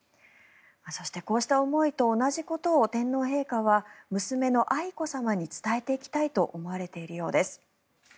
そしてこうした思いを同じことを天皇陛下は娘の愛子さまに伝えていきたいと思われているそうです。